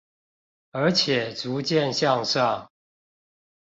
而且逐漸向上